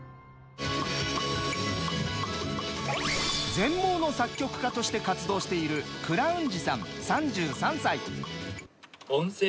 全盲の作曲家として活動しているクラウンジさん３３歳。